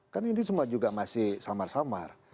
kan ini semua juga masih samar samar